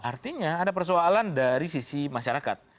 artinya ada persoalan dari sisi masyarakat